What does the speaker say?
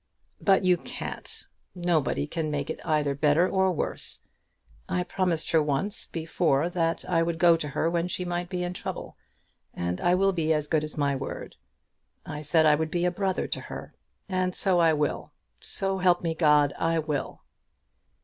"But you can't. Nobody can make it either better or worse. I promised her once before that I would go to her when she might be in trouble, and I will be as good as my word. I said I would be a brother to her; and so I will. So help me God, I will!"